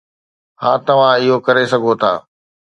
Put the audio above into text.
ها، توهان اهو ڪري سگهو ٿا.